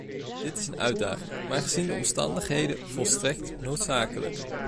Dat is een uitdaging, maar gezien de omstandigheden volstrekt noodzakelijk.